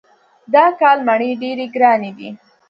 دا کال مڼې ډېرې ګرانې دي.